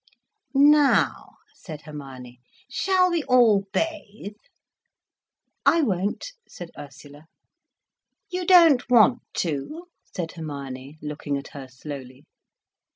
"Now," said Hermione, "shall we all bathe?" "I won't," said Ursula. "You don't want to?" said Hermione, looking at her slowly.